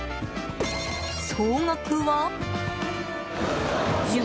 総額は。